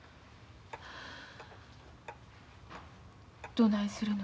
どないするの？